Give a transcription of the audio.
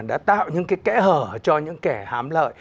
đã tạo những cái kẽ hở